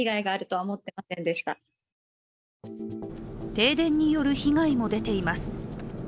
停電による被害も出ています。